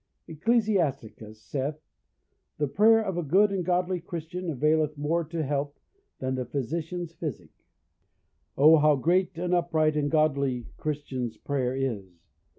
Ecclesiasticus saith, "The prayer of a good and godly Christian availeth more to health, than the physician's physic." O how great and upright and godly Christian's prayer is!